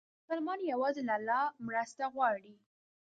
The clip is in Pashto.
مسلمان یوازې له الله مرسته غواړي.